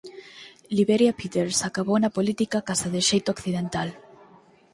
Liberia Peters acabou na política case de xeito accidental.